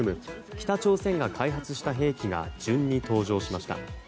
北朝鮮が開発した兵器が順に登場しました。